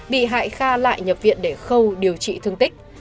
bị hại kha lại nhập viện để khâu điều trị thương tích